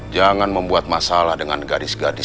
jangan membuat masalah dengan gadis gadis